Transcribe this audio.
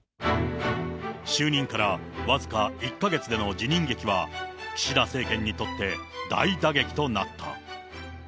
就任から僅か１か月での辞任劇は、岸田政権にとって大打撃となった。